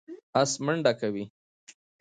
آس منډه کوي.